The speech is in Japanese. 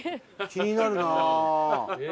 気になるなあ。